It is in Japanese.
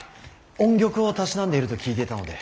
音曲をたしなんでいると聞いていたので。